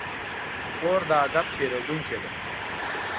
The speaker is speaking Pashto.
خور د ادب پېرودونکې ده.